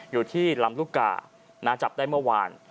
อยู่ที่ลำลูกกาจับได้เมื่อวาน